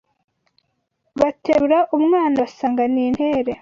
Baterura umwana basanga ni intere